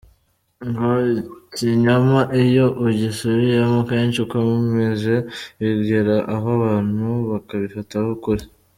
Ngo ikinyoma iyo ugisubiyemo kenshi ukomeje, bigera aho abantu bakabifataho ukuri.